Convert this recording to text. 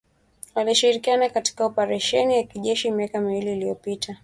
Walishirikiana katika oparesheni ya kijeshi miaka miwili iliyopita